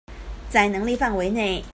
在能力範圍內